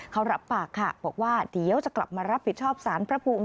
เขารับปากค่ะบอกว่าเดี๋ยวจะกลับมารับผิดชอบสารพระภูมิ